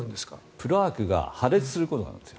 プラークが破裂することがあるんですよ。